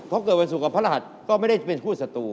เขาเกิดวันสุขกับพระรหัสก็ไม่ได้เป็นคู่สัตว์